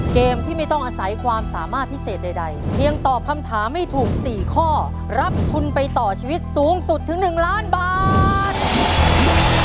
เกมที่ไม่ต้องอาศัยความสามารถพิเศษใดเพียงตอบคำถามให้ถูก๔ข้อรับทุนไปต่อชีวิตสูงสุดถึง๑ล้านบาท